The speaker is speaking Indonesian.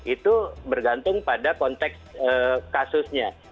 itu bergantung pada konteks kasusnya